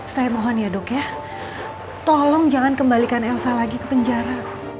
saya mohon ya dok ya tolong jangan kembalikan elsa lagi ke penjara